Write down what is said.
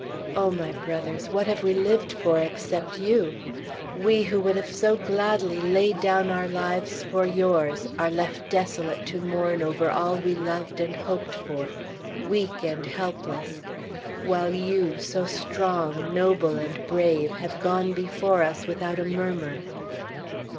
O my brothers! What have we lived for except you? We, who would have so gladly laid down our lives for yours, are left desolate to mourn over all we loved and hoped for, weak and helpless; while you, so strong, noble, and brave, have gone before us without a murmur.